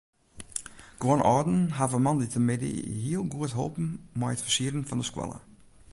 Guon âlden hawwe moandeitemiddei hiel goed holpen mei it fersieren fan de skoalle.